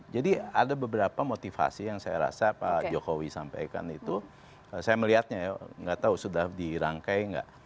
jadi ada beberapa motivasi yang saya rasa pak jokowi sampaikan itu saya melihatnya nggak tahu sudah dirangkai nggak